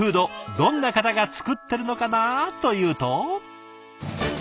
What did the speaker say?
どんな方が作ってるのかなというと。